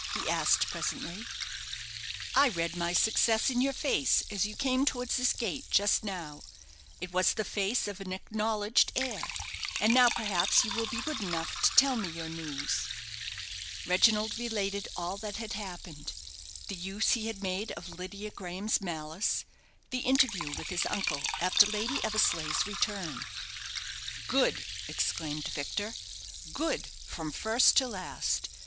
he asked, presently. "I read my success in your face as you came towards this gate just now. It was the face of an acknowledged heir; and now, perhaps, you will be good enough to tell me your news." Reginald related all that had happened; the use he had made of Lydia Graham's malice; the interview with his uncle after Lady Eversleigh's return. "Good!" exclaimed Victor; "good from first to last!